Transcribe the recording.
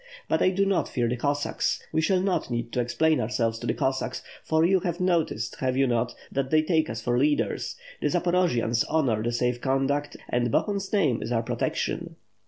But I do not fear the Cossacks. We shall not need to explain ourselves to the Cossacks; for you have noticed have you not, that they take us for leaders. The Zaporojians honor the safe conduct, and Bohun's name is our protection."